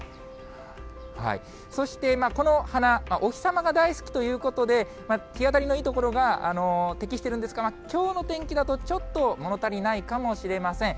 そして、この花、お日様が大好きということで、日当たりのいい所が適してるんですが、きょうの天気だと、ちょっと物足りないかもしれません。